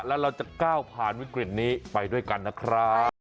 แล้วเราจะก้าวผ่านวิกฤตนี้ไปด้วยกันนะครับ